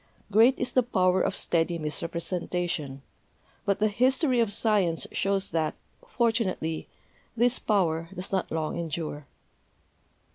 Great is the power of steady misrepresentation; but the history of science shows that, fortunately, this power does not long endure."